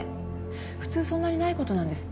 普通そんなにないことなんですって？